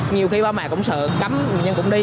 nhiều khi ba mẹ cũng sợ cấm nhưng cũng đi